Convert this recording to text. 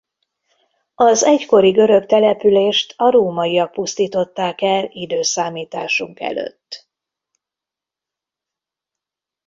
Az egykori görög települést a rómaiak pusztították el i.e.